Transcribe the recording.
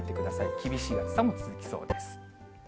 厳しい暑さも続きそうです。